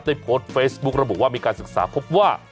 ได้โพสต์เฟซบุ๊กระบุว่ามีการศึกษาพบว่า